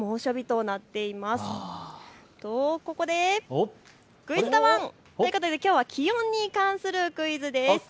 とここで、クイズだワン！ということできょうは気温に関するクイズです。